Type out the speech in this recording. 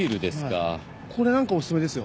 これなんかおすすめですよ。